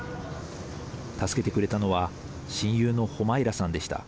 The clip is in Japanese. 助けてくれたのは親友のホマイラさんでした。